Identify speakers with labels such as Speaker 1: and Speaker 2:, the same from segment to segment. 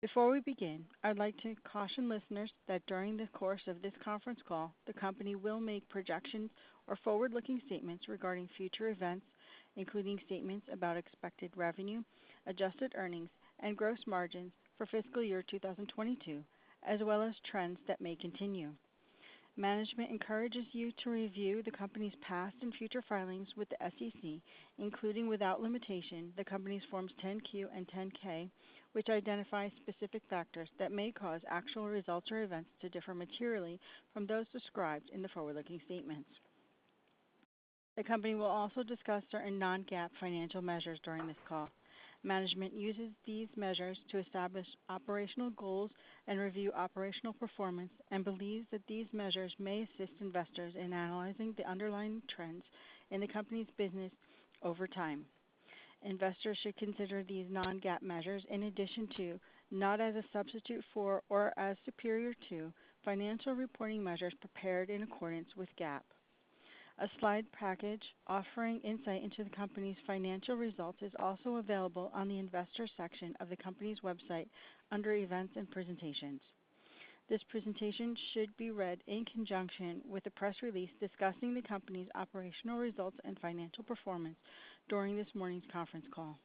Speaker 1: Before we begin, I'd like to caution listeners that during the course of this conference call, the company will make projections or forward-looking statements regarding future events, including statements about expected revenue, adjusted earnings, and gross margins for fiscal year 2022, as well as trends that may continue. Management encourages you to review the company's past and future filings with the SEC, including, without limitation, the company's Forms 10-Q and 10-K, which identify specific factors that may cause actual results or events to differ materially from those described in the forward-looking statements. The company will also discuss certain non-GAAP financial measures during this call. Management uses these measures to establish operational goals and review operational performance and believes that these measures may assist investors in analyzing the underlying trends in the company's business over time. Investors should consider these non-GAAP measures in addition to, not as a substitute for or as superior to, financial reporting measures prepared in accordance with GAAP. A slide package offering insight into the company's financial results is also available on the investor section of the company's website under events and presentations. This presentation should be read in conjunction with the press release discussing the company's operational results and financial performance during this morning's conference call.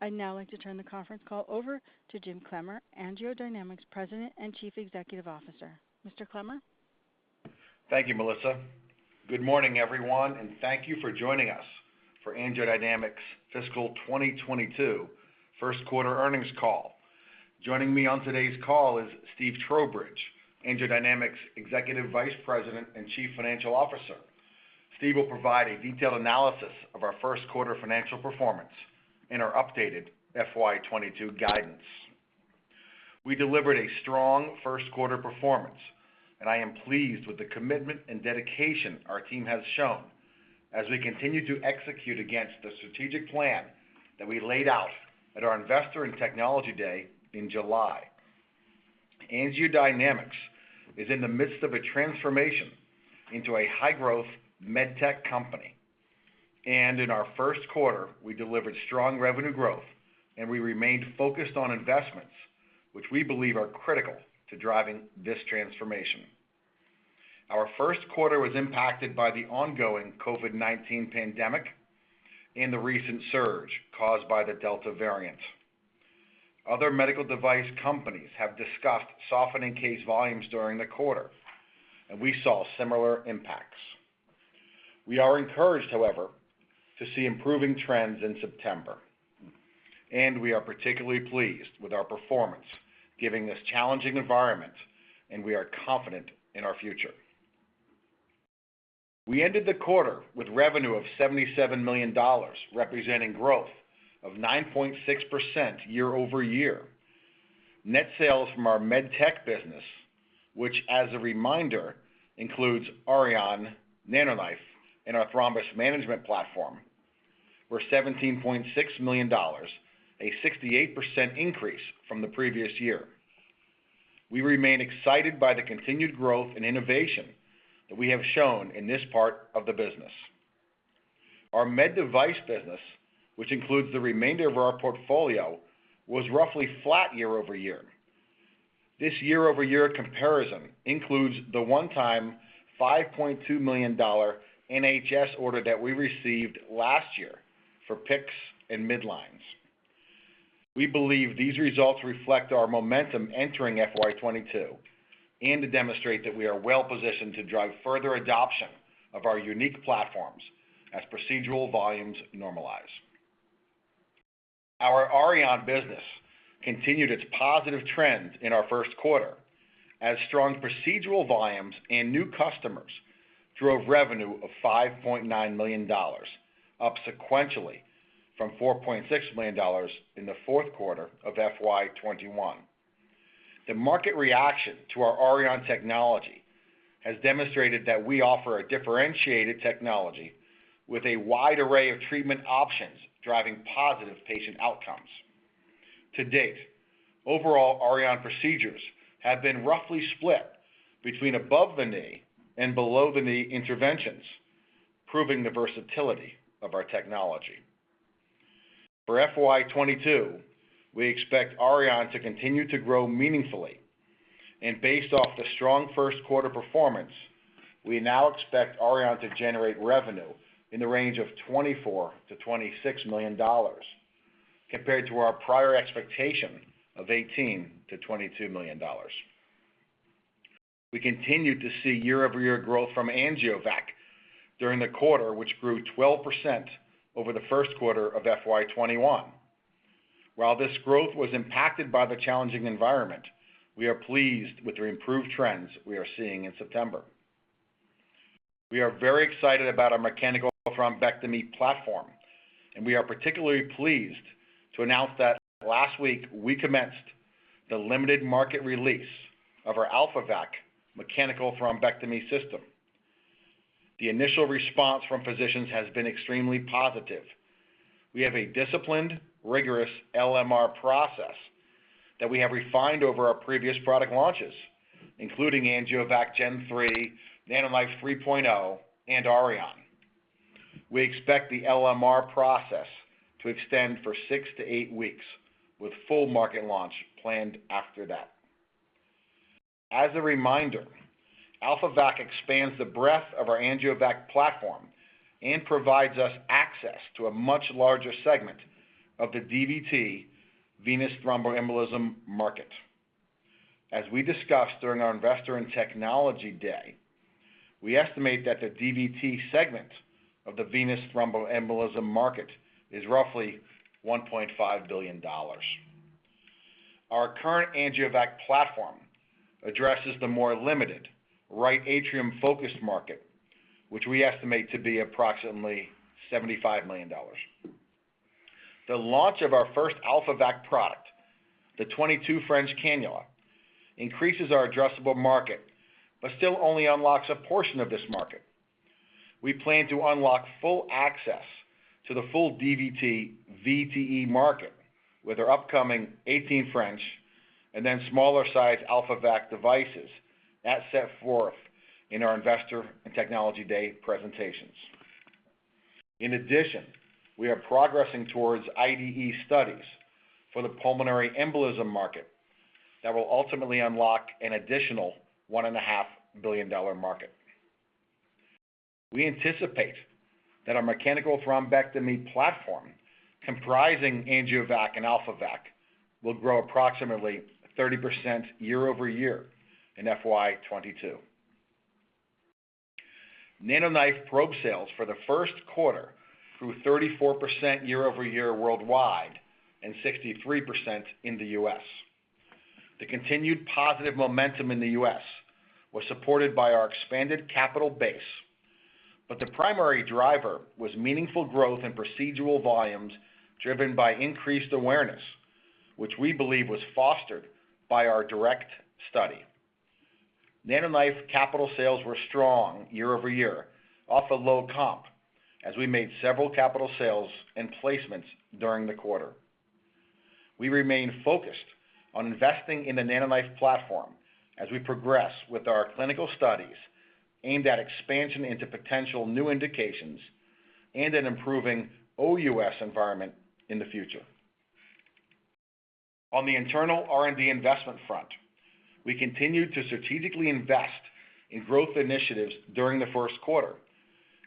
Speaker 1: I'd now like to turn the conference call over to Jim Clemmer, AngioDynamics President and Chief Executive Officer. Mr. Clemmer?
Speaker 2: Thank you, Melissa. Good morning, everyone, and thank you for joining us for AngioDynamics' Fiscal 2022 first quarter earnings call. Joining me on today's call is Stephen Trowbridge, AngioDynamics' Executive Vice President and Chief Financial Officer. Steve will provide a detailed analysis of our first quarter financial performance and our updated FY22 guidance. We delivered a strong first quarter performance, I am pleased with the commitment and dedication our team has shown as we continue to execute against the strategic plan that we laid out at our Investor and Technology Day in July. AngioDynamics is in the midst of a transformation into a high-growth MedTech company. In our first quarter, we delivered strong revenue growth, and we remained focused on investments which we believe are critical to driving this transformation. Our first quarter was impacted by the ongoing COVID-19 pandemic and the recent surge caused by the Delta variant. Other medical device companies have discussed softening case volumes during the quarter, and we saw similar impacts. We are encouraged, however, to see improving trends in September, and we are particularly pleased with our performance given this challenging environment, and we are confident in our future. We ended the quarter with revenue of $77 million, representing growth of 9.6% year-over-year. Net sales from our MedTech business, which as a reminder, includes Auryon, NanoKnife, and our thrombus management platform, were $17.6 million, a 68% increase from the previous year. We remain excited by the continued growth and innovation that we have shown in this part of the business. Our Med Device business, which includes the remainder of our portfolio, was roughly flat year-over-year. This year-over-year comparison includes the one-time $5.2 million NHS order that we received last year for PICCs and midlines. We believe these results reflect our momentum entering FY 2022 and demonstrate that we are well positioned to drive further adoption of our unique platforms as procedural volumes normalize. Our Auryon business continued its positive trend in our first quarter as strong procedural volumes and new customers drove revenue of $5.9 million, up sequentially from $4.6 million in the fourth quarter of FY 2021. The market reaction to our Auryon technology has demonstrated that we offer a differentiated technology with a wide array of treatment options driving positive patient outcomes. To date, overall Auryon procedures have been roughly split between above-the-knee and below-the-knee interventions, proving the versatility of our technology. For FY 2022, we expect Auryon to continue to grow meaningfully. Based off the strong first quarter performance, we now expect Auryon to generate revenue in the range of $24 million-$26 million compared to our prior expectation of $18 million-$22 million. We continued to see year-over-year growth from AngioVac during the quarter, which grew 12% over the first quarter of FY 2021. While this growth was impacted by the challenging environment, we are pleased with the improved trends we are seeing in September. We are very excited about our mechanical thrombectomy platform, and we are particularly pleased to announce that last week we commenced the limited market release of our AlphaVac mechanical thrombectomy system. The initial response from physicians has been extremely positive. We have a disciplined, rigorous LMR process that we have refined over our previous product launches, including AngioVac Gen 3, NanoKnife 3.0, and Auryon. We expect the LMR process to extend for six to eight weeks, with full market launch planned after that. As a reminder, AlphaVac expands the breadth of our AngioVac platform and provides us access to a much larger segment of the DVT venous thromboembolism market. As we discussed during our Investor and Technology Day, we estimate that the DVT segment of the venous thromboembolism market is roughly $1.5 billion. Our current AngioVac platform addresses the more limited right atrium-focused market, which we estimate to be approximately $75 million. The launch of our first AlphaVac product, the 22 French cannula, increases our addressable market, but still only unlocks a portion of this market. We plan to unlock full access to the full DVT VTE market with our upcoming 18 French and then smaller size AlphaVac devices as set forth in our Investor and Technology Day presentations. In addition, we are progressing towards IDE studies for the pulmonary embolism market that will ultimately unlock an additional $1.5 billion market. We anticipate that our mechanical thrombectomy platform, comprising AngioVac and AlphaVac, will grow approximately 30% year-over-year in FY22. NanoKnife probe sales for the first quarter grew 34% year-over-year worldwide and 63% in the U.S. The continued positive momentum in the U.S. was supported by our expanded capital base, but the primary driver was meaningful growth in procedural volumes driven by increased awareness, which we believe was fostered by our DIRECT study. NanoKnife capital sales were strong year-over-year off a low comp as we made several capital sales and placements during the quarter. We remain focused on investing in the NanoKnife platform as we progress with our clinical studies aimed at expansion into potential new indications and an improving OUS environment in the future. On the internal R&D investment front, we continued to strategically invest in growth initiatives during the first quarter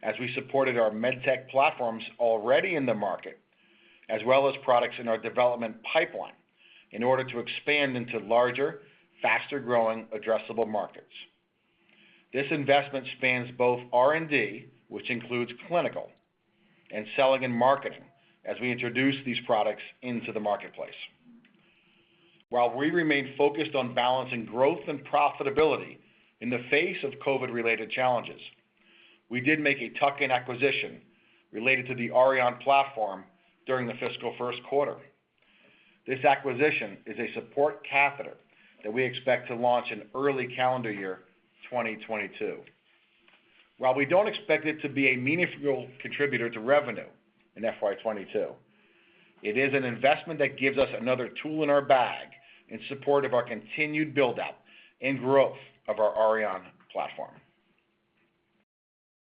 Speaker 2: as we supported our MedTech platforms already in the market, as well as products in our development pipeline in order to expand into larger, faster-growing addressable markets. This investment spans both R&D, which includes clinical, and selling and marketing as we introduce these products into the marketplace. While we remain focused on balancing growth and profitability in the face of COVID-related challenges, we did make a tuck-in acquisition related to the Auryon platform during the fiscal first quarter. This acquisition is a support catheter that we expect to launch in early calendar year 2022. While we don't expect it to be a meaningful contributor to revenue in FY 2022, it is an investment that gives us another tool in our bag in support of our continued buildup and growth of our Auryon platform.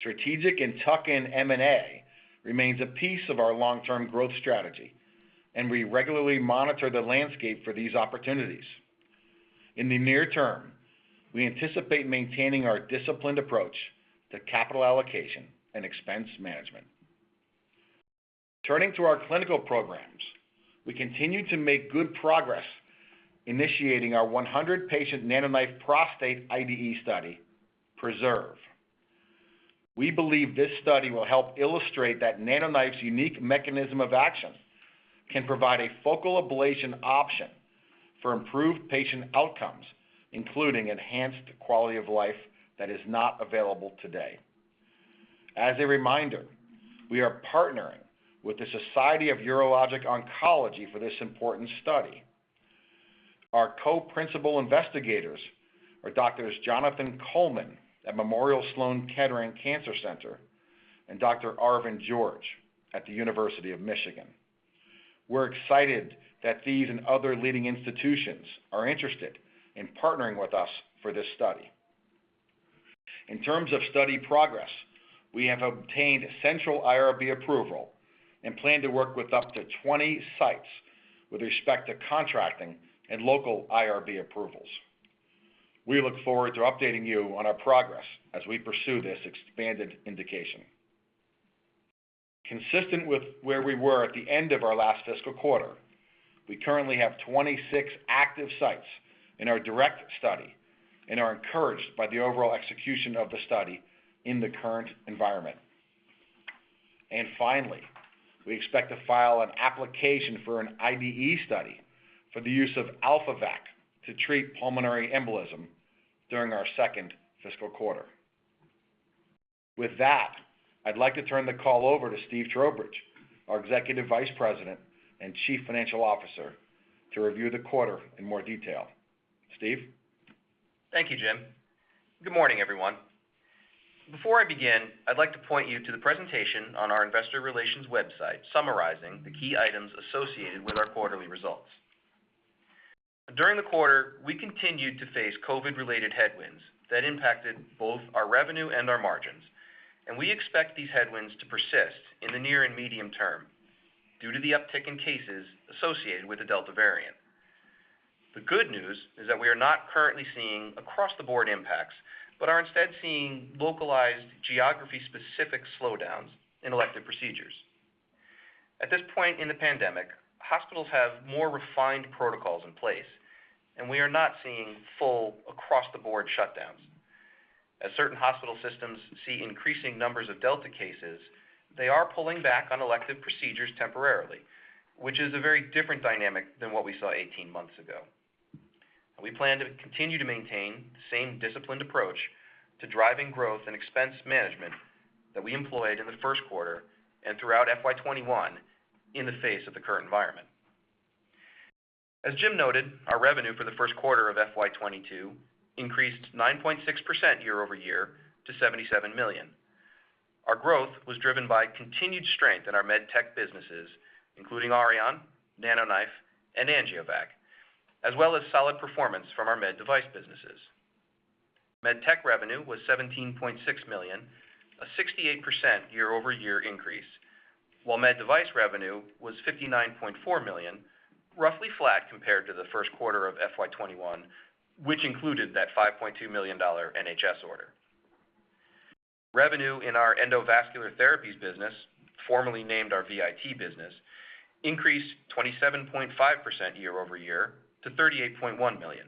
Speaker 2: Strategic and tuck-in M&A remains a piece of our long-term growth strategy, and we regularly monitor the landscape for these opportunities. In the near term, we anticipate maintaining our disciplined approach to capital allocation and expense management. Turning to our clinical programs, we continue to make good progress initiating our 100-patient NanoKnife prostate IDE study, PRESERVE. We believe this study will help illustrate that NanoKnife's unique mechanism of action can provide a focal ablation option for improved patient outcomes, including enhanced quality of life that is not available today. As a reminder, we are partnering with the Society of Urologic Oncology for this important study. Our co-principal investigators are Doctors Jonathan Coleman at Memorial Sloan Kettering Cancer Center and Dr. Arvin George at the University of Michigan. We're excited that these and other leading institutions are interested in partnering with us for this study. In terms of study progress, we have obtained central IRB approval and plan to work with up to 20 sites with respect to contracting and local IRB approvals. We look forward to updating you on our progress as we pursue this expanded indication. Consistent with where we were at the end of our last fiscal quarter, we currently have 26 active sites in our DIRECT study and are encouraged by the overall execution of the study in the current environment. Finally, we expect to file an application for an IDE study for the use of AlphaVac to treat pulmonary embolism during our second fiscal quarter. With that, I'd like to turn the call over to Stephen Trowbridge, our Executive Vice President and Chief Financial Officer, to review the quarter in more detail. Steve?
Speaker 3: Thank you, Jim. Good morning, everyone. Before I begin, I'd like to point you to the presentation on our investor relations website summarizing the key items associated with our quarterly results. During the quarter, we continued to face COVID-related headwinds that impacted both our revenue and our margins. We expect these headwinds to persist in the near and medium term due to the uptick in cases associated with the Delta variant. The good news is that we are not currently seeing across-the-board impacts but are instead seeing localized geography-specific slowdowns in elective procedures. At this point in the pandemic, hospitals have more refined protocols in place. We are not seeing full across-the-board shutdowns. As certain hospital systems see increasing numbers of Delta cases, they are pulling back on elective procedures temporarily, which is a very different dynamic than what we saw 18 months ago. We plan to continue to maintain the same disciplined approach to driving growth and expense management that we employed in the first quarter and throughout FY21 in the face of the current environment. As Jim noted, our revenue for the first quarter of FY22 increased 9.6% year-over-year to $77 million. Our growth was driven by continued strength in our MedTech businesses, including Auryon, NanoKnife, and AngioVac, as well as solid performance from our Med Device businesses. MedTech revenue was $17.6 million, a 68% year-over-year increase, while Med Device revenue was $59.4 million, roughly flat compared to the first quarter of FY21, which included that $5.2 million NHS order. Revenue in our Endovascular Therapies business, formerly named our VIT business, increased 27.5% year-over-year to $38.1 million.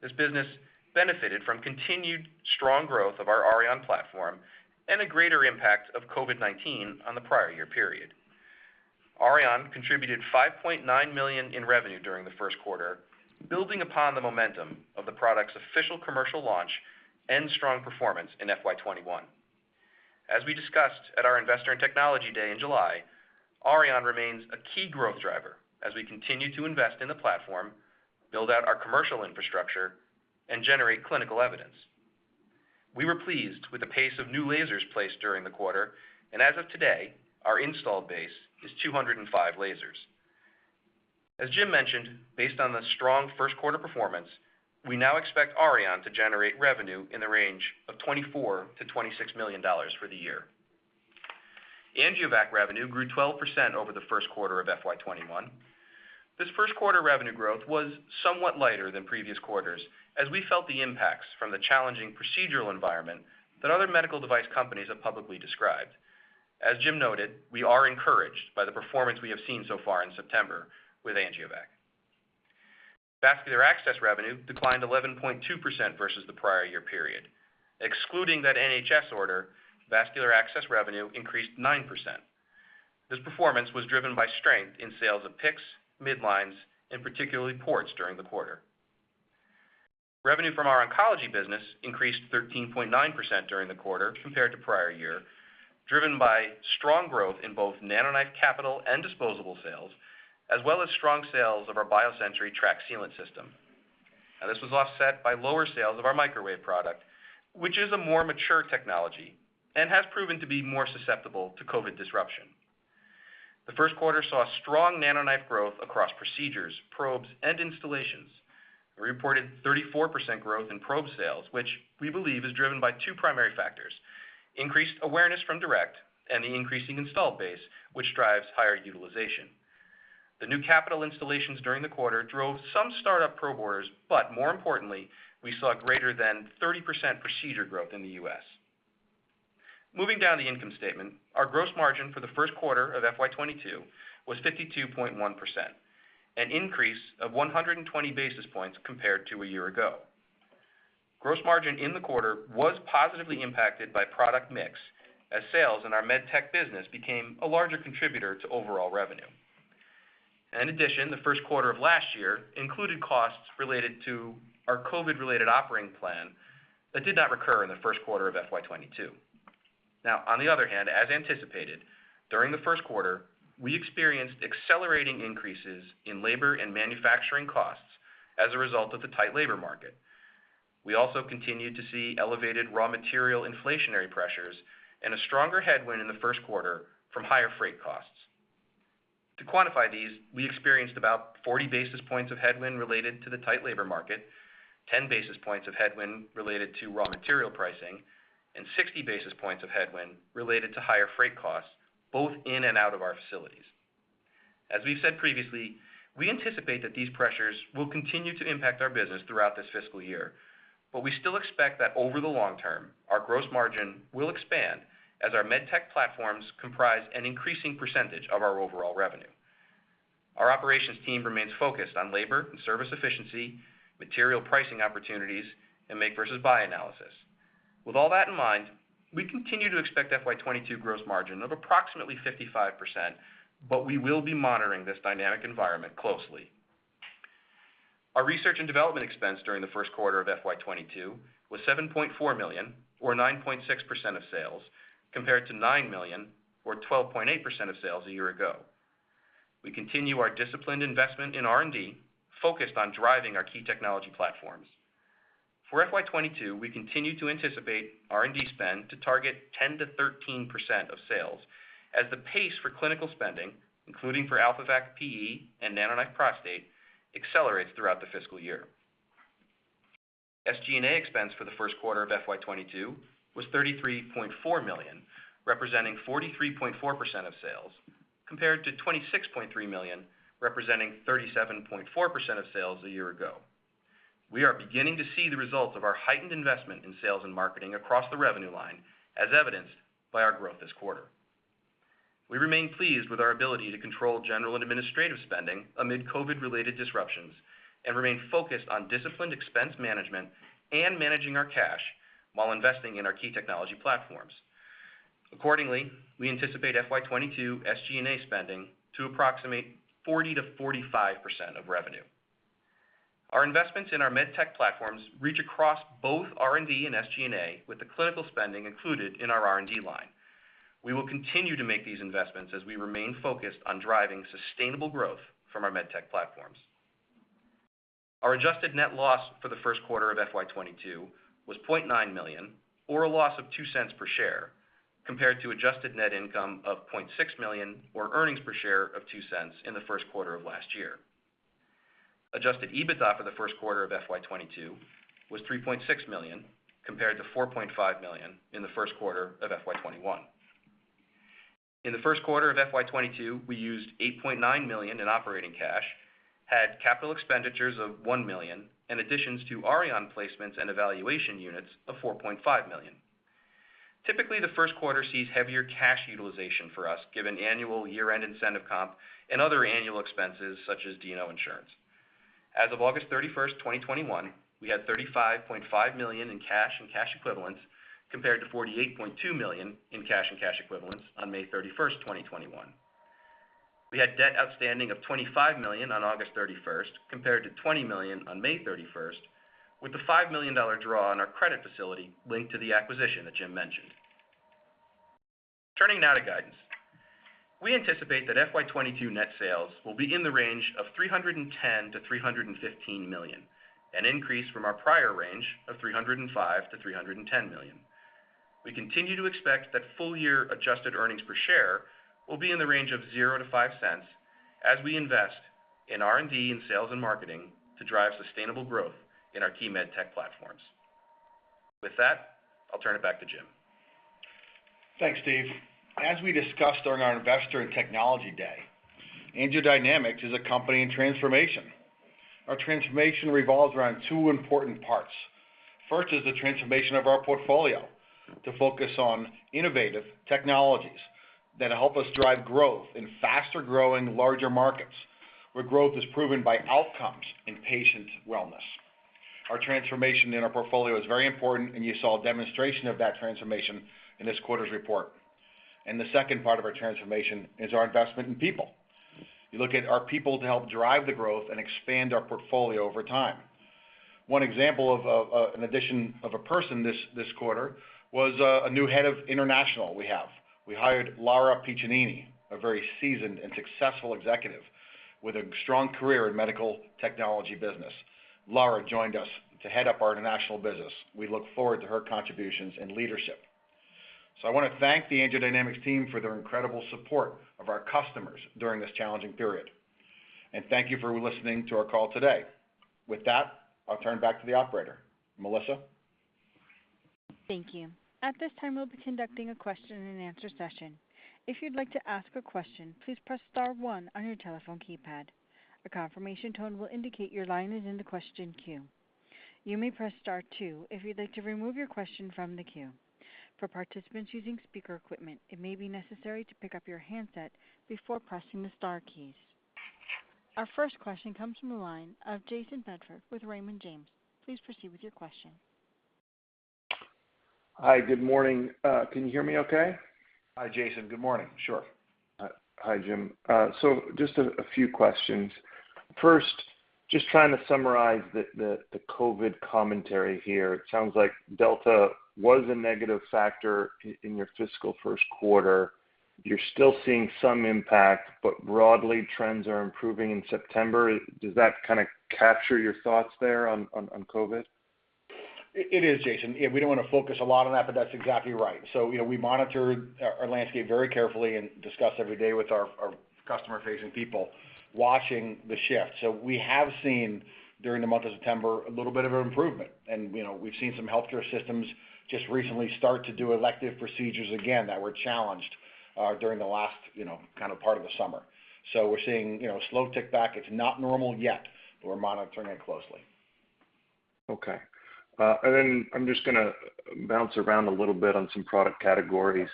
Speaker 3: This business benefited from continued strong growth of our Auryon platform and a greater impact of COVID-19 on the prior year period. Auryon contributed $5.9 million in revenue during the first quarter, building upon the momentum of the product's official commercial launch and strong performance in FY 2021. As we discussed at our Investor and Technology Day in July, Auryon remains a key growth driver as we continue to invest in the platform, build out our commercial infrastructure, and generate clinical evidence. We were pleased with the pace of new lasers placed during the quarter, and as of today, our install base is 205 lasers. As Jim mentioned, based on the strong first quarter performance, we now expect Auryon to generate revenue in the range of $24 million-$26 million for the year. AngioVac revenue grew 12% over the first quarter of FY 2021. This first quarter revenue growth was somewhat lighter than previous quarters as we felt the impacts from the challenging procedural environment that other medical device companies have publicly described. As Jim noted, we are encouraged by the performance we have seen so far in September with AngioVac. Vascular access revenue declined 11.2% versus the prior year period. Excluding that NHS order, vascular access revenue increased 9%. This performance was driven by strength in sales of PICCs, midlines, and particularly ports during the quarter. Revenue from our oncology business increased 13.9% during the quarter compared to prior year, driven by strong growth in both NanoKnife capital and disposable sales, as well as strong sales of our BioSentry Tract Sealant System. Now, this was offset by lower sales of our microwave product, which is a more mature technology and has proven to be more susceptible to COVID disruption. The first quarter saw strong NanoKnife growth across procedures, probes, and installations. We reported 34% growth in probe sales, which we believe is driven by two primary factors: increased awareness from DIRECT and the increasing install base, which drives higher utilization. The new capital installations during the quarter drove some startup probe orders, but more importantly, we saw greater than 30% procedure growth in the U.S. Moving down the income statement, our gross margin for the first quarter of FY22 was 52.1%, an increase of 120 basis points compared to a year ago. Gross margin in the quarter was positively impacted by product mix as sales in our MedTech business became a larger contributor to overall revenue. The first quarter of last year included costs related to our COVID-related operating plan that did not recur in the first quarter of FY22. On the other hand, as anticipated, during the first quarter, we experienced accelerating increases in labor and manufacturing costs as a result of the tight labor market. We also continued to see elevated raw material inflationary pressures and a stronger headwind in the first quarter from higher freight costs. To quantify these, we experienced about 40 basis points of headwind related to the tight labor market, 10 basis points of headwind related to raw material pricing, and 60 basis points of headwind related to higher freight costs, both in and out of our facilities. As we've said previously, we anticipate that these pressures will continue to impact our business throughout this fiscal year. We still expect that over the long term, our gross margin will expand as our MedTech platforms comprise an increasing percentage of our overall revenue. Our operations team remains focused on labor and service efficiency, material pricing opportunities, and make versus buy analysis. With all that in mind, we continue to expect FY 2022 gross margin of approximately 55%, but we will be monitoring this dynamic environment closely. Our research and development expense during the first quarter of FY 2022 was $7.4 million, or 9.6% of sales, compared to $9 million, or 12.8% of sales a year ago. We continue our disciplined investment in R&D, focused on driving our key technology platforms. For FY 2022, we continue to anticipate R&D spend to target 10%-13% of sales as the pace for clinical spending, including for AlphaVac PE and NanoKnife Prostate, accelerates throughout the fiscal year. SG&A expense for the first quarter of FY 2022 was $33.4 million, representing 43.4% of sales, compared to $26.3 million, representing 37.4% of sales a year ago. We are beginning to see the results of our heightened investment in sales and marketing across the revenue line, as evidenced by our growth this quarter. We remain pleased with our ability to control general and administrative spending amid COVID-related disruptions, and remain focused on disciplined expense management and managing our cash while investing in our key technology platforms. Accordingly, we anticipate FY 2022 SG&A spending to approximate 40%-45% of revenue. Our investments in our MedTech platforms reach across both R&D and SG&A, with the clinical spending included in our R&D line. We will continue to make these investments as we remain focused on driving sustainable growth from our MedTech platforms. Our adjusted net loss for the first quarter of FY22 was $0.9 million, or a loss of $0.02 per share, compared to adjusted net income of $0.6 million, or earnings per share of $0.02 in the first quarter of last year. Adjusted EBITDA for the first quarter of FY22 was $3.6 million, compared to $4.5 million in the first quarter of FY21. In the first quarter of FY22, we used $8.9 million in operating cash, had capital expenditures of $1 million, and additions to Auryon placements and evaluation units of $4.5 million. Typically, the first quarter sees heavier cash utilization for us, given annual year-end incentive comp and other annual expenses such as D&O insurance. As of August 31st, 2021, we had $35.5 million in cash and cash equivalents, compared to $48.2 million in cash and cash equivalents on May 31st, 2021. We had debt outstanding of $25 million on August 31st, compared to $20 million on May 31st, with a $5 million draw on our credit facility linked to the acquisition that Jim mentioned. Turning now to guidance. We anticipate that FY 2022 net sales will be in the range of $310 million-$315 million, an increase from our prior range of $305 million-$310 million. We continue to expect that full year adjusted earnings per share will be in the range of $0.00-$0.05 as we invest in R&D and sales and marketing to drive sustainable growth in our key MedTech platforms. With that, I'll turn it back to Jim.
Speaker 2: Thanks, Steve. As we discussed during our Investor and Technology Day, AngioDynamics is a company in transformation. Our transformation revolves around two important parts. First is the transformation of our portfolio to focus on innovative technologies that help us drive growth in faster-growing, larger markets, where growth is proven by outcomes in patient wellness. Our transformation in our portfolio is very important, and you saw a demonstration of that transformation in this quarter's report. The second part of our transformation is our investment in people. You look at our people to help drive the growth and expand our portfolio over time. one example of an addition of a person this quarter was a new head of international we have. We hired Laura Piccinini, a very seasoned and successful executive with a strong career in medical technology business. Laura joined us to head up our international business. We look forward to her contributions and leadership. I want to thank the AngioDynamics team for their incredible support of our customers during this challenging period. Thank you for listening to our call today. With that, I'll turn back to the operator. Melissa?
Speaker 1: Thank you. At this time, we'll be conducting a question and answer session. Our first question comes from the line of Jayson Bedford with Raymond James. Please proceed with your question.
Speaker 4: Hi. Good morning. Can you hear me okay?
Speaker 2: Hi, Jayson. Good morning. Sure.
Speaker 4: Hi, Jim. Just a few questions. First, just trying to summarize the COVID commentary here. It sounds like Delta was a negative factor in your fiscal first quarter. You're still seeing some impact, but broadly trends are improving in September. Does that kind of capture your thoughts there on COVID?
Speaker 2: It is, Jayson. We don't want to focus a lot on that, but that's exactly right. We monitor our landscape very carefully and discuss every day with our customer-facing people watching the shift. We have seen during the month of September a little bit of an improvement. We've seen some healthcare systems just recently start to do elective procedures again that were challenged during the last kind of part of the summer. We're seeing slow tick back. It's not normal yet, but we're monitoring it closely.
Speaker 4: Okay. I'm just going to bounce around a little bit on some product categories.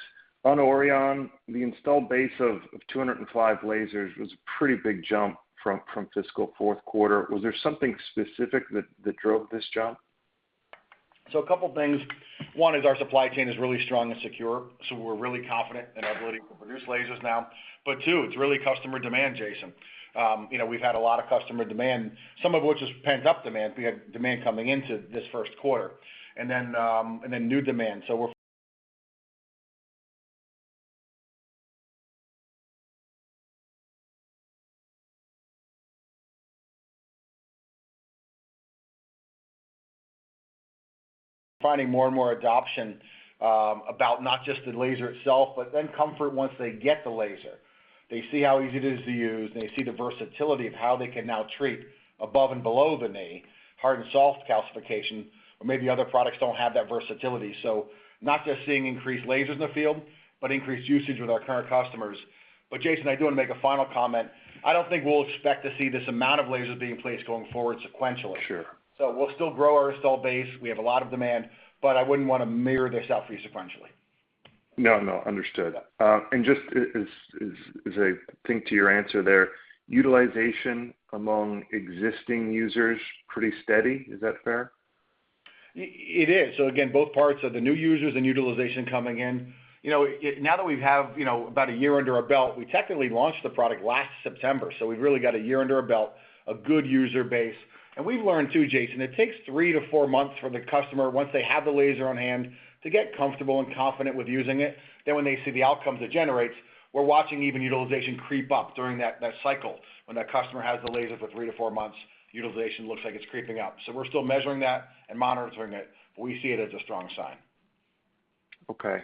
Speaker 4: On Auryon, the installed base of 205 lasers was a pretty big jump from fiscal fourth quarter. Was there something specific that drove this jump?
Speaker 2: A couple things. One is our supply chain is really strong and secure, we're really confident in our ability to produce lasers now. Two, it's really customer demand, Jayson. We've had a lot of customer demand, some of which is pent-up demand. We had demand coming into this first quarter, and then new demand. We're finding more and more adoption about not just the laser itself, but then comfort once they get the laser. They see how easy it is to use, and they see the versatility of how they can now treat above and below the knee, hard and soft calcification, or maybe other products don't have that versatility. Not just seeing increased lasers in the field, but increased usage with our current customers. Jayson, I do want to make a final comment. I don't think we'll expect to see this amount of lasers being placed going forward sequentially.
Speaker 4: Sure.
Speaker 2: We'll still grow our install base. We have a lot of demand, but I wouldn't want to mirror this out for you sequentially.
Speaker 4: No, no. Understood. Just as a point to your answer there, utilization among existing users pretty steady. Is that fair?
Speaker 2: It is. Again, both parts of the new users and utilization coming in. Now that we have about one year under our belt, we technically launched the product last September, we've really got one year under our belt, a good user base. We've learned too, Jayson, it takes 3-4 months for the customer, once they have the laser on hand, to get comfortable and confident with using it. When they see the outcomes it generates, we're watching even utilization creep up during that cycle. When that customer has the laser for 3-4 months, utilization looks like it's creeping up. We're still measuring that and monitoring it, but we see it as a strong sign.
Speaker 4: Okay.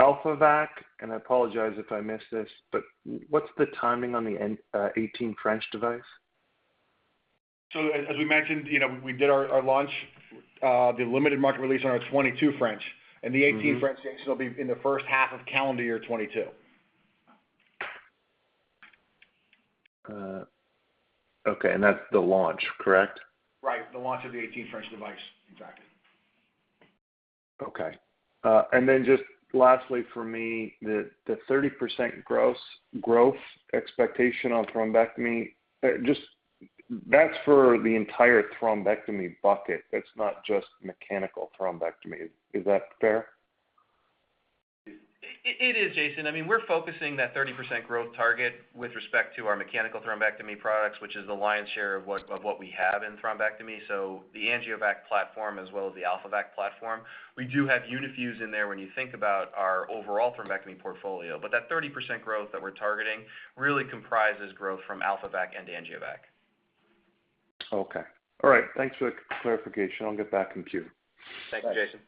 Speaker 4: AlphaVac, and I apologize if I missed this, but what's the timing on the 18 French device?
Speaker 2: As we mentioned, we did our launch, the limited market release on our 22 French, and the 18 French, Jayson, will be in the first half of calendar year 2022.
Speaker 4: Okay, that's the launch, correct?
Speaker 2: Right. The launch of the 18 French device. Exactly.
Speaker 4: Okay. Just lastly for me, the 30% growth expectation on thrombectomy, that's for the entire thrombectomy bucket. That's not just mechanical thrombectomy. Is that fair?
Speaker 3: It is, Jayson. We're focusing that 30% growth target with respect to our mechanical thrombectomy products, which is the lion's share of what we have in thrombectomy. The AngioVac platform as well as the AlphaVac platform. We do have Uni-Fuse in there when you think about our overall thrombectomy portfolio. That 30% growth that we're targeting really comprises growth from AlphaVac and AngioVac.
Speaker 4: Okay. All right. Thanks for the clarification. I'll get back in queue.
Speaker 3: Thanks, Jayson.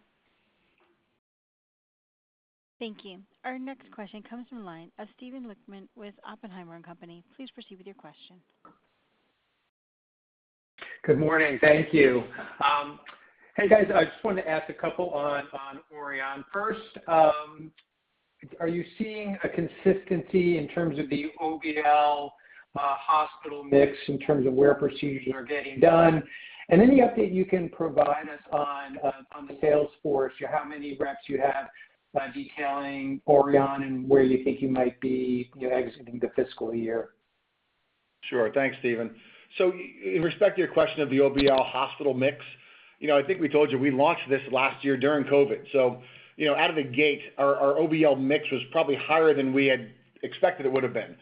Speaker 1: Thank you. Our next question comes from the line of Steven Lichtman with Oppenheimer & Co. Inc. Please proceed with your question.
Speaker 5: Good morning. Thank you. Hey, guys, I just wanted to ask a couple on Auryon. First, are you seeing a consistency in terms of the OBL hospital mix in terms of where procedures are getting done? Any update you can provide us on the sales force, how many reps you have detailing Auryon and where you think you might be exiting the fiscal year?
Speaker 2: Sure. Thanks, Steven. In respect to your question of the OBL hospital mix, I think we told you we launched this last year during COVID. Out of the gate, our OBL mix was probably higher than we had expected it would have been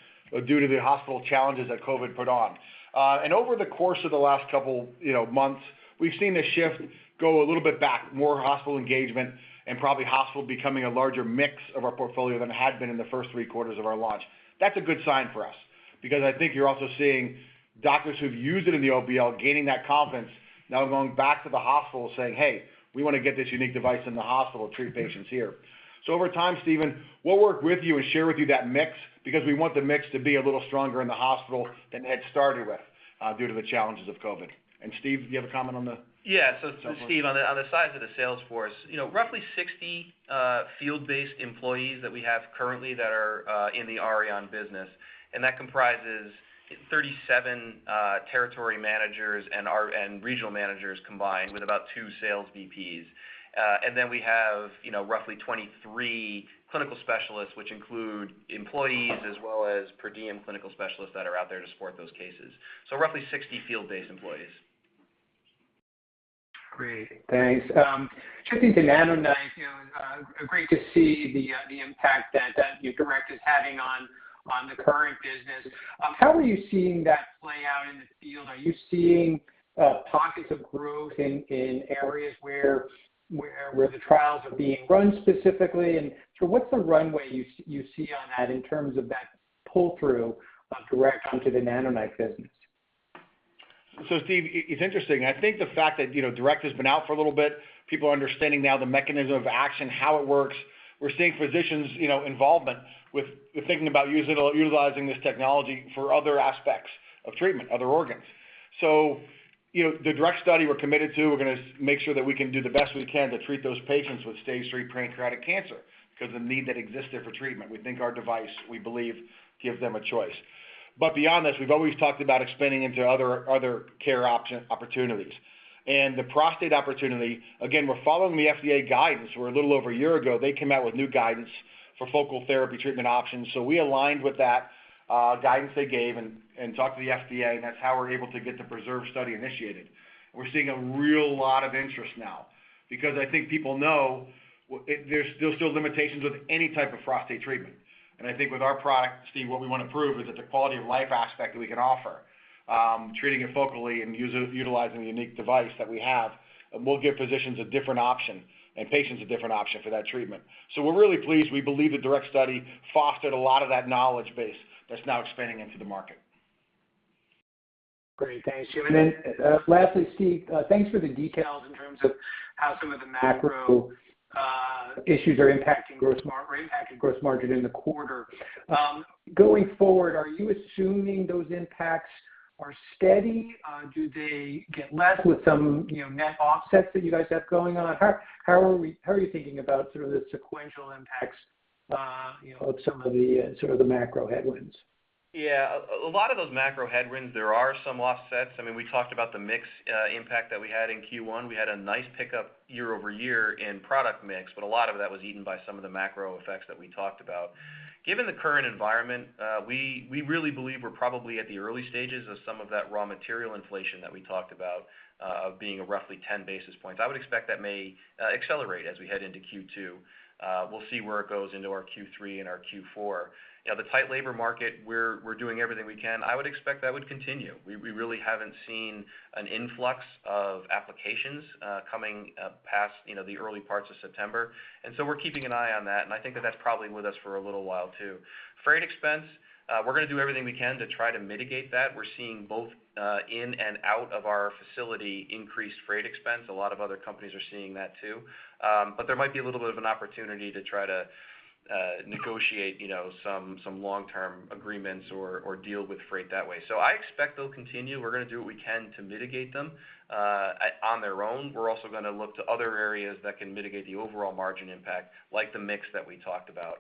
Speaker 2: due to the hospital challenges that COVID put on. Over the course of the last couple months, we've seen the shift go a little bit back, more hospital engagement, and probably hospital becoming a larger mix of our portfolio than it had been in the first three quarters of our launch. That's a good sign for us because I think you're also seeing doctors who've used it in the OBL gaining that confidence now going back to the hospital saying, "Hey, we want to get this unique device in the hospital to treat patients here." Over time, Steven, we'll work with you and share with you that mix because we want the mix to be a little stronger in the hospital than it had started with due to the challenges of COVID. Steve, do you have a comment on the?
Speaker 3: Yeah. Steve, on the size of the sales force, roughly 60 field-based employees that we have currently that are in the Auryon business, that comprises 37 territory managers and regional managers combined with about two sales VPs. We have roughly 23 clinical specialists, which include employees as well as per diem clinical specialists that are out there to support those cases. Roughly 60 field-based employees.
Speaker 5: Thanks. Jumping to NanoKnife, great to see the impact that DIRECT is having on the current business. How are you seeing that play out in the field? Are you seeing pockets of growth in areas where the trials are being run specifically? What's the runway you see on that in terms of that pull-through of DIRECT onto the NanoKnife business?
Speaker 2: Stephen, it's interesting. I think the fact that DIRECT has been out for a little bit, people are understanding now the mechanism of action, how it works. We're seeing physicians' involvement with thinking about utilizing this technology for other aspects of treatment, other organs. The DIRECT study we're committed to, we're going to make sure that we can do the best we can to treat those patients with stage 3 pancreatic cancer, because the need that exists there for treatment. We think our device, we believe, gives them a choice. Beyond this, we've always talked about expanding into other care option opportunities. The prostate opportunity, again, we're following the FDA guidance, where a little over a year ago, they came out with new guidance for focal therapy treatment options. We aligned with that guidance they gave and talked to the FDA, and that's how we're able to get the PRESERVE study initiated. We're seeing a real lot of interest now. Because I think people know there's still limitations with any type of prostate treatment. I think with our product, Steve, what we want to prove is that the quality of life aspect that we can offer, treating it focally and utilizing the unique device that we have, will give physicians a different option and patients a different option for that treatment. We're really pleased. We believe the DIRECT study fostered a lot of that knowledge base that's now expanding into the market.
Speaker 5: Great. Thanks, Jim. Lastly, Steve, thanks for the details in terms of how some of the macro issues are impacting gross margin in the quarter. Going forward, are you assuming those impacts are steady? Do they get less with some net offsets that you guys have going on? How are you thinking about sort of the sequential impacts of some of the macro headwinds?
Speaker 3: Yeah. A lot of those macro headwinds, there are some offsets. We talked about the mix impact that we had in Q1. We had a nice pickup year-over-year in product mix, but a lot of that was eaten by some of the macro effects that we talked about. Given the current environment, we really believe we're probably at the early stages of some of that raw material inflation that we talked about, of being roughly 10 basis points. I would expect that may accelerate as we head into Q2. We'll see where it goes into our Q3 and our Q4. The tight labor market, we're doing everything we can. I would expect that would continue. We really haven't seen an influx of applications coming past the early parts of September. We're keeping an eye on that, and I think that that's probably with us for a little while, too. Freight expense, we're going to do everything we can to try to mitigate that. We're seeing both in and out of our facility increased freight expense. A lot of other companies are seeing that, too. But there might be a little bit of an opportunity to try to negotiate some long-term agreements or deal with freight that way. I expect they'll continue. We're going to do what we can to mitigate them on their own. We're also going to look to other areas that can mitigate the overall margin impact, like the mix that we talked about.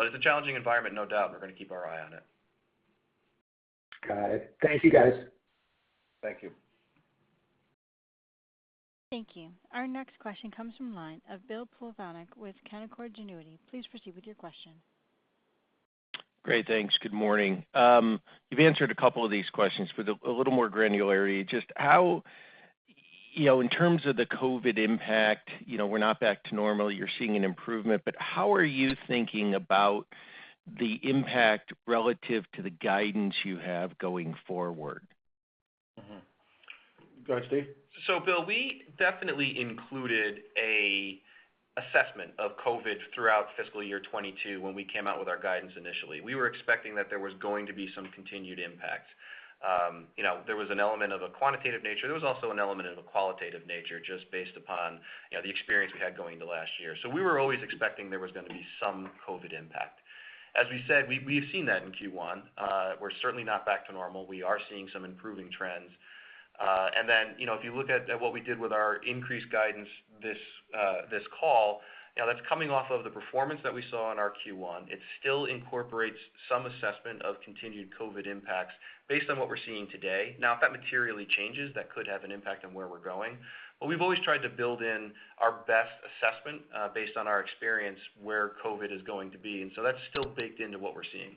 Speaker 3: It's a challenging environment, no doubt. We're going to keep our eye on it.
Speaker 5: Got it. Thank you, guys.
Speaker 2: Thank you.
Speaker 1: Thank you. Our next question comes from the line of Bill Plovanic with Canaccord Genuity. Please proceed with your question.
Speaker 6: Great, thanks. Good morning. You've answered a couple of these questions, but a little more granularity. Just how, in terms of the COVID impact, we're not back to normal, you're seeing an improvement, but how are you thinking about the impact relative to the guidance you have going forward?
Speaker 2: Mm-hmm. Go ahead, Steve.
Speaker 3: Bill, we definitely included an assessment of COVID throughout fiscal year 2022 when we came out with our guidance initially. We were expecting that there was going to be some continued impact. There was an element of a quantitative nature. There was also an element of a qualitative nature just based upon the experience we had going into last year. We were always expecting there was going to be some COVID impact. As we said, we've seen that in Q1. We're certainly not back to normal. We are seeing some improving trends. If you look at what we did with our increased guidance this call, that's coming off of the performance that we saw in our Q1. It still incorporates some assessment of continued COVID impacts based on what we're seeing today. If that materially changes, that could have an impact on where we're going. We've always tried to build in our best assessment based on our experience where COVID is going to be. That's still baked into what we're seeing.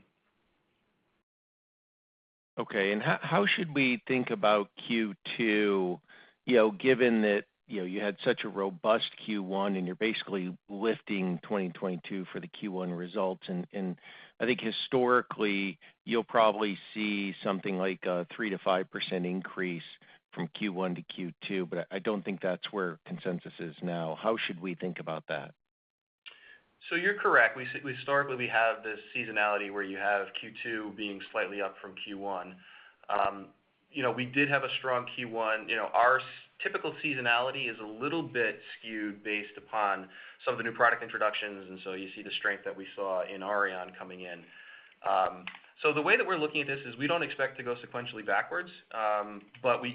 Speaker 6: Okay. How should we think about Q2, given that you had such a robust Q1 and you're basically lifting 2022 for the Q1 results? I think historically, you'll probably see something like a 3%-5% increase from Q1 to Q2, but I don't think that's where consensus is now. How should we think about that?
Speaker 3: You're correct. Historically, we have this seasonality where you have Q2 being slightly up from Q1. We did have a strong Q1. Our typical seasonality is a little bit skewed based upon some of the new product introductions, you see the strength that we saw in Auryon coming in. The way that we're looking at this is we don't expect to go sequentially backwards.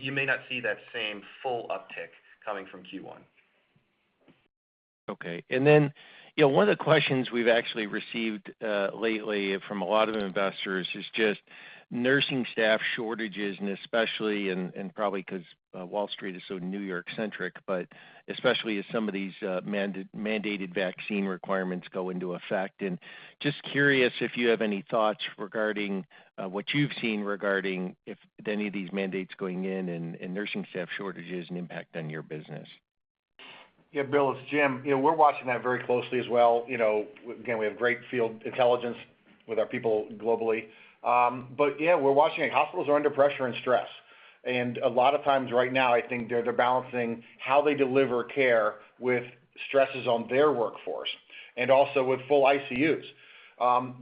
Speaker 3: You may not see that same full uptick coming from Q1.
Speaker 6: Okay. One of the questions we've actually received lately from a lot of investors is just nursing staff shortages, and especially, and probably because Wall Street is so New York-centric, but especially as some of these mandated vaccine requirements go into effect. Just curious if you have any thoughts regarding what you've seen regarding if any of these mandates going in and nursing staff shortages and impact on your business.
Speaker 2: Yeah, Bill, it's Jim. We're watching that very closely as well. We have great field intelligence with our people globally. Yeah, we're watching it. Hospitals are under pressure and stress. A lot of times right now, I think they're balancing how they deliver care with stresses on their workforce and also with full ICUs.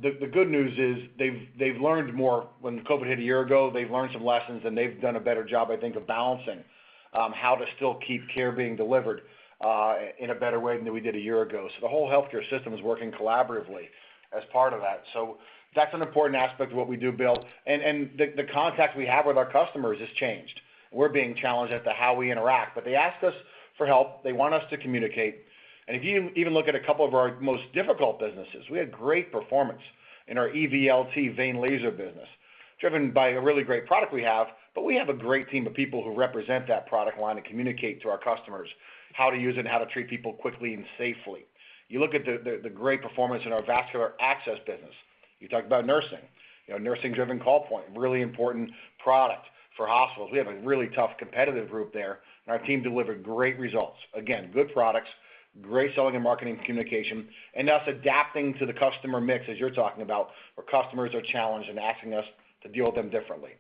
Speaker 2: The good news is they've learned more when COVID hit a year ago. They've learned some lessons, they've done a better job, I think, of balancing how to still keep care being delivered in a better way than we did a year ago. The whole healthcare system is working collaboratively as part of that. That's an important aspect of what we do, Bill. The contact we have with our customers has changed. We're being challenged as to how we interact, they ask us for help. They want us to communicate. If you even look at a couple of our most difficult businesses, we had great performance in our EVLT vein laser business, driven by a really great product we have. We have a great team of people who represent that product line and communicate to our customers how to use it and how to treat people quickly and safely. You look at the great performance in our vascular access business. You talk about nursing. Nursing-driven call point, really important product for hospitals. We have a really tough competitive group there, and our team delivered great results. Again, good products, great selling and marketing communication, and us adapting to the customer mix, as you're talking about, where customers are challenged and asking us to deal with them differently.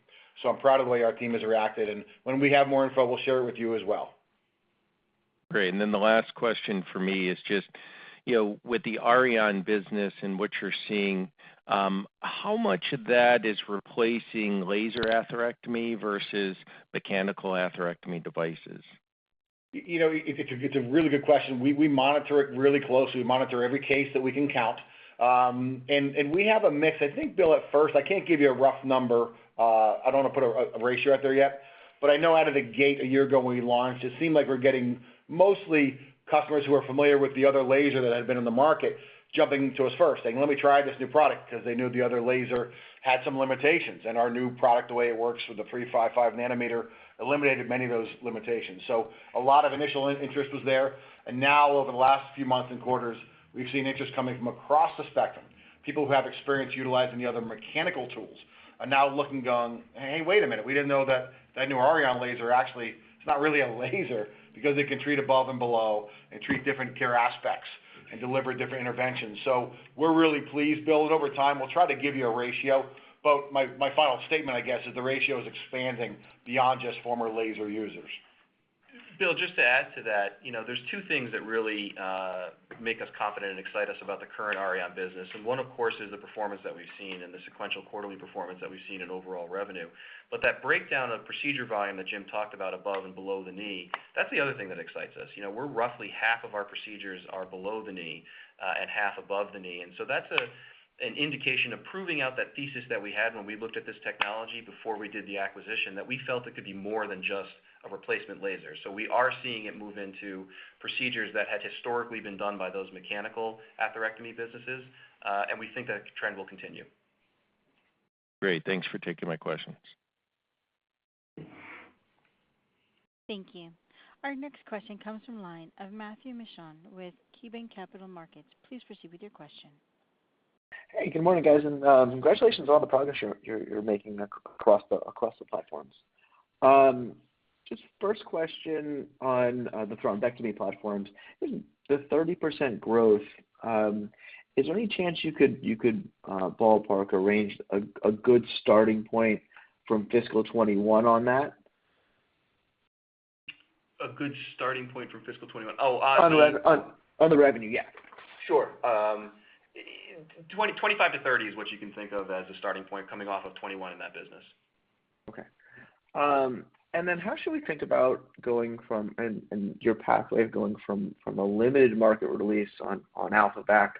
Speaker 2: I'm proud of the way our team has reacted, and when we have more info, we'll share it with you as well.
Speaker 6: Great. The last question for me is just with the Auryon business and what you're seeing, how much of that is replacing laser atherectomy versus mechanical atherectomy devices?
Speaker 2: It's a really good question. We monitor it really closely. We monitor every case that we can count. We have a mix. I think, Bill, at first, I can't give you a rough number. I don't want to put a ratio out there yet, but I know out of the gate a year ago when we launched, it seemed like we were getting mostly customers who are familiar with the other laser that had been in the market jumping to us first, saying, "Let me try this new product," because they knew the other laser had some limitations. Our new product, the way it works with the 355 nanometer eliminated many of those limitations. A lot of initial interest was there. Now over the last few months and quarters, we've seen interest coming from across the spectrum. People who have experience utilizing the other mechanical tools are now looking, going, "Hey, wait a minute. We didn't know that that new Auryon laser actually, it's not really a laser because it can treat above and below and treat different care aspects and deliver different interventions." We're really pleased, Bill, and over time, we'll try to give you a ratio. My final statement, I guess, is the ratio is expanding beyond just former laser users.
Speaker 3: Bill, just to add to that, there's two things that really make us confident and excite us about the current Auryon business, and one, of course, is the performance that we've seen and the sequential quarterly performance that we've seen in overall revenue. That breakdown of procedure volume that Jim talked about above and below the knee, that's the other thing that excites us. Roughly half of our procedures are below the knee and half above the knee. That's an indication of proving out that thesis that we had when we looked at this technology before we did the acquisition, that we felt it could be more than just a replacement laser. We are seeing it move into procedures that had historically been done by those mechanical atherectomy businesses, and we think that trend will continue.
Speaker 6: Great. Thanks for taking my questions.
Speaker 1: Thank you. Our next question comes from the line of Matthew Mishan with KeyBanc Capital Markets. Please proceed with your question.
Speaker 7: Hey, good morning, guys, and congratulations on all the progress you're making across the platforms. Just first question on the thrombectomy platforms. The 30% growth, is there any chance you could ballpark a range, a good starting point from FY 2021 on that?
Speaker 3: A good starting point from fiscal 2021.
Speaker 7: On the revenue, yeah.
Speaker 3: Sure. 25 to 30 is what you can think of as a starting point coming off of 2021 in that business.
Speaker 7: Okay. How should we think about going from, and your pathway of going from a limited market release on AlphaVac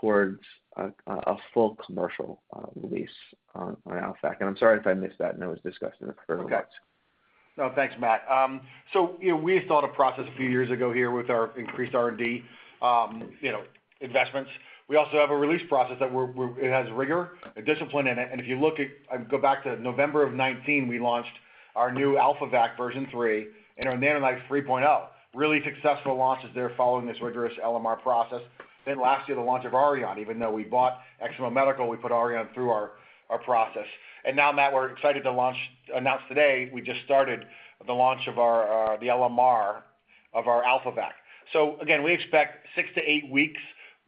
Speaker 7: towards a full commercial release on AlphaVac? I'm sorry if I missed that and it was discussed in the prepared remarks.
Speaker 2: No, thanks, Matt. We had thought a process a few years ago here with our increased R&D investments. We also have a release process that it has rigor and discipline in it. If you go back to November of 2019, we launched our new AlphaVac version 3 and our NanoKnife 3.0. Really successful launches there following this rigorous LMR process. Last year, the launch of Auryon. Even though we bought Eximo Medical, we put Auryon through our process. Now, Matt, we're excited to announce today we just started the launch of the LMR of our AlphaVac. Again, we expect six to eight weeks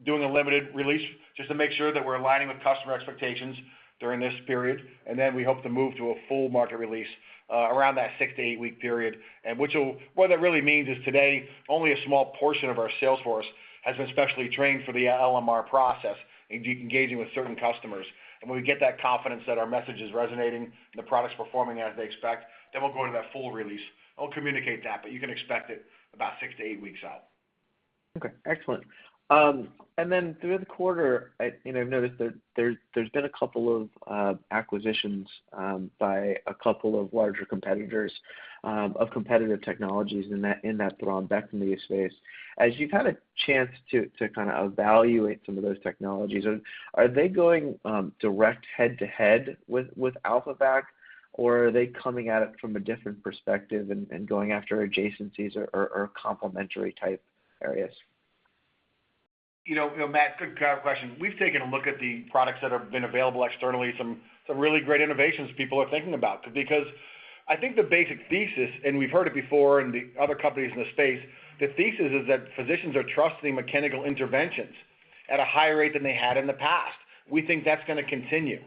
Speaker 2: doing a limited release just to make sure that we're aligning with customer expectations during this period. Then we hope to move to a full market release around that six to 8-week period. What that really means is today, only a small portion of our sales force has been specially trained for the LMR process in engaging with certain customers. When we get that confidence that our message is resonating and the product's performing as they expect, then we'll go into that full release. I'll communicate that, but you can expect it about six to eight weeks out.
Speaker 7: Okay, excellent. Through the quarter, I've noticed that there's been a couple of acquisitions by a couple of larger competitors of competitive technologies in that thrombectomy space. As you've had a chance to kind of evaluate some of those technologies, are they going direct head-to-head with AlphaVac, or are they coming at it from a different perspective and going after adjacencies or complementary type areas?
Speaker 2: Matt, good question. We've taken a look at the products that have been available externally, some really great innovations people are thinking about because I think the basic thesis, and we've heard it before in the other companies in the space, the thesis is that physicians are trusting mechanical interventions at a higher rate than they had in the past. We think that's going to continue.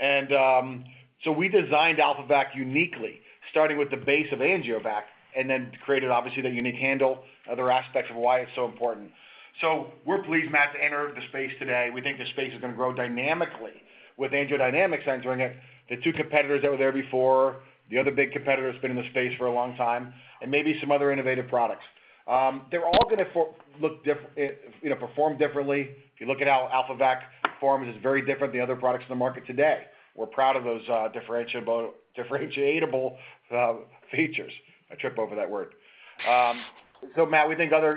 Speaker 2: We designed AlphaVac uniquely, starting with the base of AngioVac, and then created obviously the unique handle, other aspects of why it's so important. We're pleased, Matt, to enter the space today. We think the space is going to grow dynamically with AngioDynamics entering it, the two competitors that were there before, the other big competitor that's been in the space for a long time, and maybe some other innovative products. They're all going to perform differently. If you look at how AlphaVac performs, it's very different than the other products in the market today. We're proud of those differentiable, differentiatable features. I trip over that word. Matt, we think other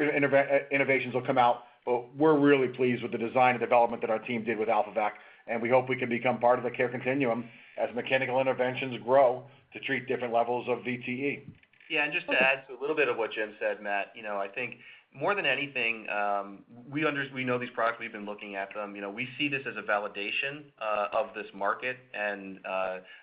Speaker 2: innovations will come out, but we're really pleased with the design and development that our team did with AlphaVac. We hope we can become part of the care continuum as mechanical interventions grow to treat different levels of VTE.
Speaker 3: Yeah, just to add to a little bit of what Jim said, Matt, I think more than anything, we know these products. We've been looking at them. We see this as a validation of this market and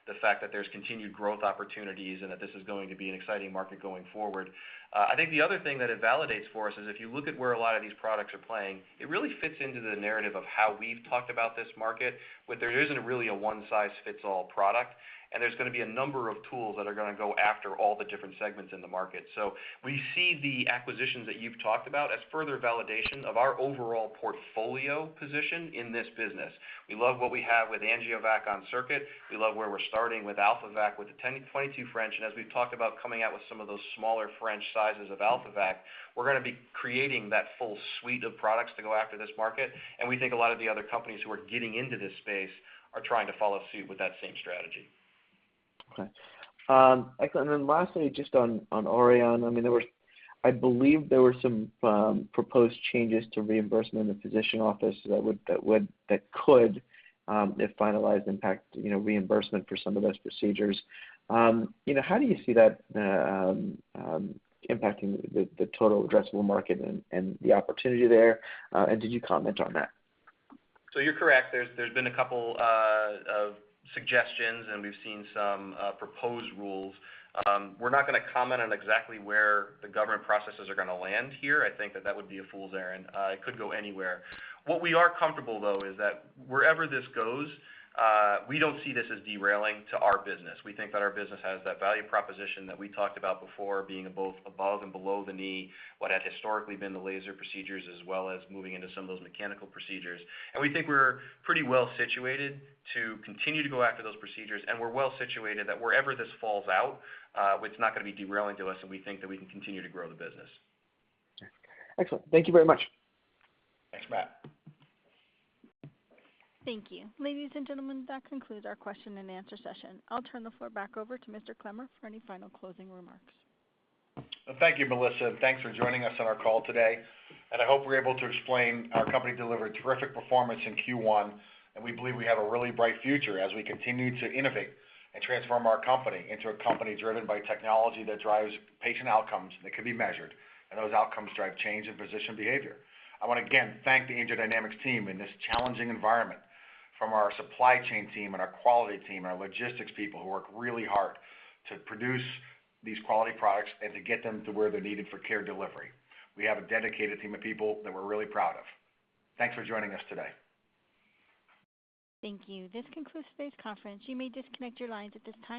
Speaker 3: the fact that there's continued growth opportunities and that this is going to be an exciting market going forward. I think the other thing that it validates for us is if you look at where a lot of these products are playing, it really fits into the narrative of how we've talked about this market, where there isn't really a one-size-fits-all product, and there's going to be a number of tools that are going to go after all the different segments in the market. We see the acquisitions that you've talked about as further validation of our overall portfolio position in this business. We love what we have with AngioVac on circuit. We love where we're starting with AlphaVac with the 22 French, and as we've talked about coming out with some of those smaller French sizes of AlphaVac, we're going to be creating that full suite of products to go after this market. We think a lot of the other companies who are getting into this space are trying to follow suit with that same strategy.
Speaker 7: Okay. Excellent. Lastly, just on Auryon, I believe there were some proposed changes to reimbursement in the physician office that could, if finalized, impact reimbursement for some of those procedures. How do you see that impacting the total addressable market and the opportunity there? Did you comment on that?
Speaker 3: You're correct. There's been a couple of suggestions, and we've seen some proposed rules. We're not going to comment on exactly where the government processes are going to land here. I think that that would be a fool's errand. It could go anywhere. What we are comfortable, though, is that wherever this goes, we don't see this as derailing to our business. We think that our business has that value proposition that we talked about before, being both above and below the knee, what had historically been the laser procedures, as well as moving into some of those mechanical procedures. We think we're pretty well-situated to continue to go after those procedures, and we're well-situated that wherever this falls out, it's not going to be derailing to us, and we think that we can continue to grow the business.
Speaker 7: Excellent. Thank you very much.
Speaker 3: Thanks, Matt.
Speaker 1: Thank you. Ladies and gentlemen, that concludes our question and answer session. I'll turn the floor back over to Mr. Clemmer for any final closing remarks.
Speaker 2: Thank you, Melissa. Thanks for joining us on our call today, and I hope we were able to explain our company delivered terrific performance in Q1, and we believe we have a really bright future as we continue to innovate and transform our company into a company driven by technology that drives patient outcomes that can be measured, and those outcomes drive change in physician behavior. I want to again thank the AngioDynamics team in this challenging environment, from our supply chain team and our quality team, our logistics people who work really hard to produce these quality products and to get them to where they're needed for care delivery. We have a dedicated team of people that we're really proud of. Thanks for joining us today.
Speaker 1: Thank you. This concludes today's conference. You may disconnect your lines at this time.